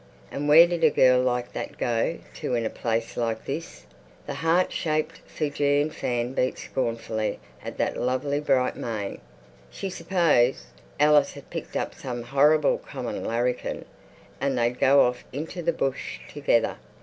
And where did a girl like that go to in a place like this? The heart shaped Fijian fan beat scornfully at that lovely bright mane. She supposed Alice had picked up some horrible common larrikin and they'd go off into the bush together.